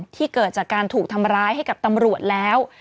เกิดจากการถูกทำร้ายให้กับตำรวจแล้ว